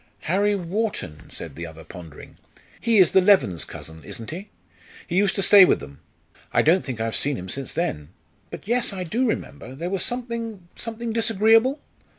"Harry Wharton?" said the other, pondering; "he is the Levens' cousin, isn't he? he used to stay with them. I don't think I have seen him since then. But yes, I do remember; there was something something disagreeable?"